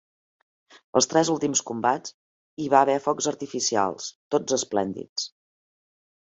Als tres últims combats hi va haver focs artificials, tots esplèndids.